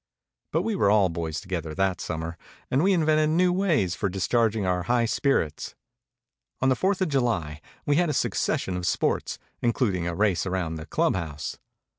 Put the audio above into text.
But we were all boys together that summer; and we invented new ways for discharging our 260 MEMORIES OF MARK TWAIN high spirits. On the Fourth of July we had a succession of sports, including a race around the club house.